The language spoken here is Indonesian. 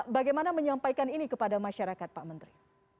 bagaimana menyampaikan ini kepada masyarakat pak menteri